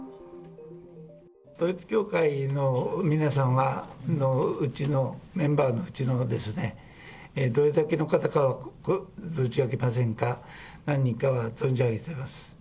統一教会の皆さんのうちの、メンバーのうちのですね、どれだけの方かは存じ上げませんが、何人かは存じ上げてます。